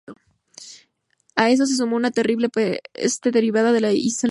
A eso se sumó una terrible peste derivada de la insalubridad.